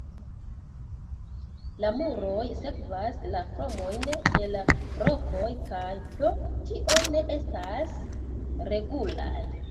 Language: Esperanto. La muroj sekvas la formojn de la rokoj kaj pro tio ne estas regulaj.